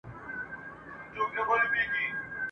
خوشالي لکه بلوړ داسي ښکاریږي ..